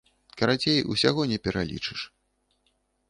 Карацей, усяго не пералічыш.